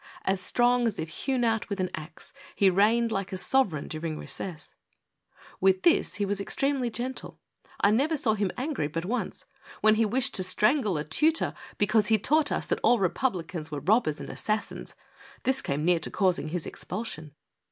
As strong as if hewn out with an axe, he reigned like a sovereign during recess. With this, he w^as extremely gentle. I never saw him angry but once, when he wished to strangle a tutor because he taught us that all republicans were robbers and assas sins. This came near causing his expulsion.